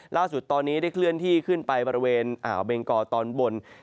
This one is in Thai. ล่าสุดตอนนี้ได้เคลื่อนที่ขึ้นไปบริเวณอ่าวเบงกอตอนบน